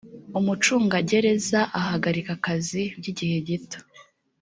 umucungagereza ahagarika akazi by igihe gito